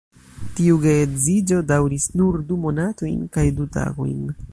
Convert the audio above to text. Tiu geedziĝo daŭris nur du monatojn kaj du tagojn.